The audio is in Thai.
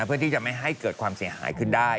เพื่อที่จะไม่ให้เกิดความเสียหายขึ้นได้